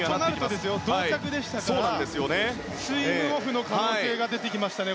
そうなると同着だったのでスイムオフの可能性が出てきましたね。